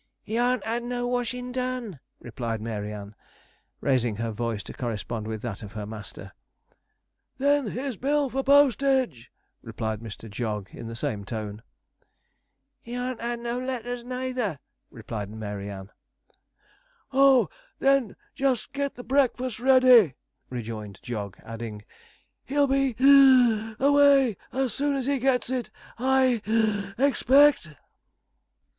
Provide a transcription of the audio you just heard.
'He harn't had no washin' done,' replied Mary Ann, raising her voice to correspond with that of her master. 'Then his bill for postage,' replied Mr. Jog, in the same tone. 'He harn't had no letters neither,' replied Mary Ann. 'Oh, then, just get the breakfast ready,' rejoined Jog, adding, 'he'll be (wheezing) away as soon as he gets it, I (puff) expect.'